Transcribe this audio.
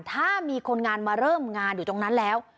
ถ้ามีคนงานมาเริ่มงานอยู่ตรงนั้นแล้ว